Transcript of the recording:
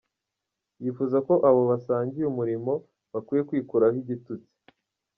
Yifuza ko abo basangiye umurimo bakwiye kwikuraho igitutsi